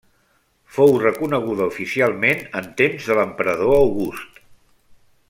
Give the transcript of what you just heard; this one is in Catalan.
Fou reconeguda oficialment en temps de l'emperador August.